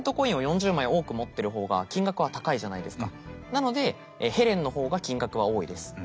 なのでヘレンの方が金額は多いです。